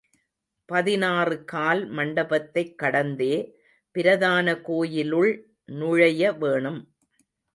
பதினாறுகால் மண்டபத்தைக் கடந்தே பிரதான கோயிலுள் நுழைய வேணும்.